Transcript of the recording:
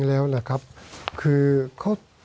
สวัสดีครับทุกคน